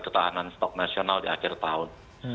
ketahanan stok nasional di akhir tahun